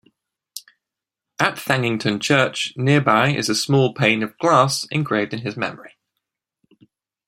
At Thanington Church nearby is a small pane of glass engraved in his memory.